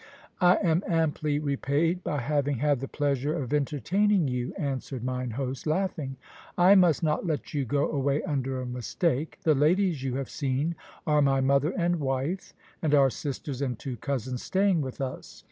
"I am amply repaid by having had the pleasure of entertaining you," answered mine host, laughing. "I must not let you go away under a mistake. The ladies you have seen are my mother and wife, and our sisters and two cousins staying with us.